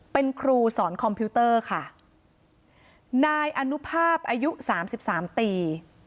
เป็นครูสอนคอมพิวเตอร์ค่ะนายอนุภาพอายุสามสิบสามปี